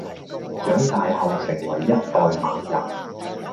長大後成為一代猛人